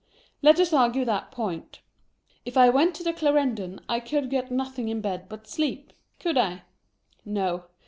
Let us argue that point. If I went to the Clarendon I could get nothing ia bed but sleep ; could I? No.